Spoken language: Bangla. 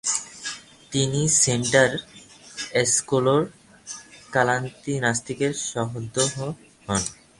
তিনি সেন্টার এসকোলার কাতালানিস্তার সদস্য হন।